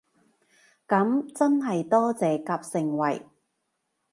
噉就真係多謝夾盛惠